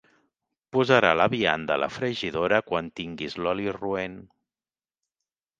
Posarà la vianda a la fregidora quan tinguis l'oli roent.